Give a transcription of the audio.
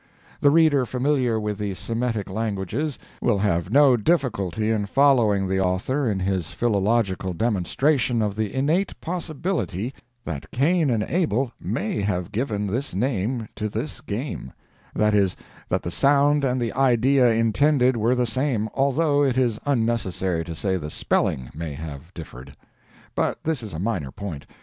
The reader familiar with the Semitic languages will have no difficulty in following the author in his philological demonstration of the innate possibility that Cain and Abel may have given this name to this game—that is, that the sound and the idea intended were the same, although it is unnecessary to say the spelling may have differed. But this is a minor point.